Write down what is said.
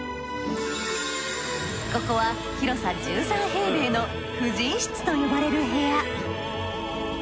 ここは広さ１３平米の夫人室と呼ばれる部屋。